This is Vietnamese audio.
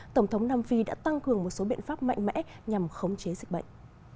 tổng thống nam phi đã tăng cường một số biện pháp mạnh mẽ nhằm khống chế dịch bệnh